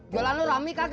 jualan lo ramai kagak